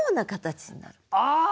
ああ！